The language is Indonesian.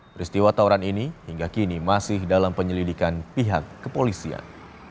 peristiwa tawuran ini hingga kini masih dalam penyelidikan pihak kepolisian